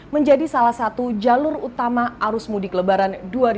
menjadi salah satu jalur utama arus mudik lebaran dua ribu dua puluh